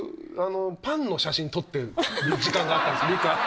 パンの写真撮ってる時間があったんです。